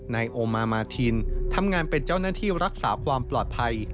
นายโอมามาทินทำงานเป็นเจ้าหน้าที่รักษาความปลอดภัย